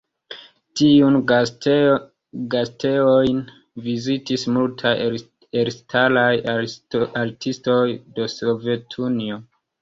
Tiun gastejon vizitis multaj elstaraj artistoj de Sovetunio.